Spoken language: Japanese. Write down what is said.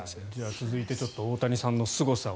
続いて大谷さんのすごさを。